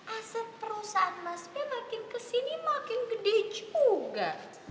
aset perusahaan mas fy makin kesini makin gede juga